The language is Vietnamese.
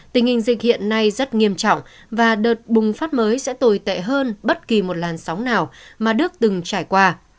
tình hình dịch hiện nay rất nghiêm trọng và đợt bùng phát mới sẽ tồi tệ hơn bất kỳ một làn sóng nào mà đức từng trải qua